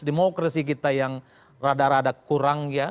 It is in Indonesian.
demokrasi kita yang rada rada kurang ya